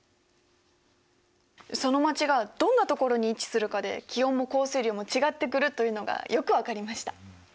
その街がどんなところに位置するかで気温も降水量も違ってくるというのがよく分かりました。